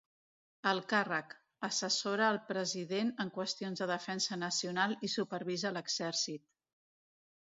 El càrrec: assessora el president en qüestions de defensa nacional i supervisa l’exèrcit.